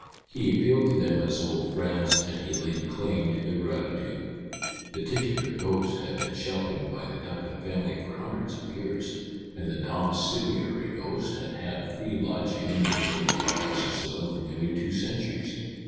He appealed to them as old friends, and he laid claim to their gratitude. The titular ghost had been sheltered by the Duncan family for hundreds of years, and the domiciliary ghost had had free lodging in the little old house at Salem for nearly two centuries.